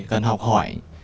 cần phải học hỏi